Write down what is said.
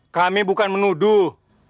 kami bukan menuduh